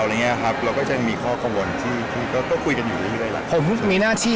อะไรอย่างเงี่ยครับแล้วก็จะมีข้อกระ